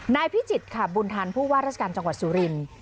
พิจิตรค่ะบุญทันผู้ว่าราชการจังหวัดสุรินทร์